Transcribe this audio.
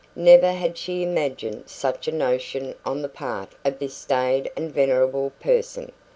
Never had she imagined such a notion on the part of this staid and venerable person.